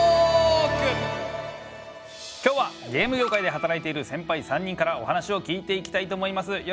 今日はゲーム業界で働いているセンパイ３人からお話を聞いていきたいと思います。